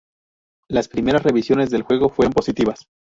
Las primeras revisiones del juego fueron positivas.